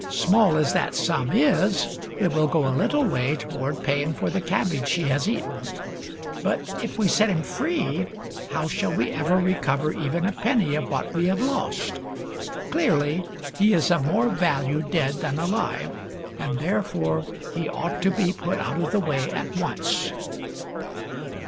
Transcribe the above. Small as that sum is, it will go a little way toward paying for the cabbage he has eaten. But, if we set him free, how shall we ever recover even a penny of what we have lost ? Clearly, he is of more value dead than alive, and therefore he ought to be put out of the way at once."